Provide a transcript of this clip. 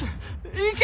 行け！